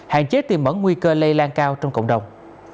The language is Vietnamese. hạn chế tiềm mẩn nguy cơ lây lan cao trong cộng đồng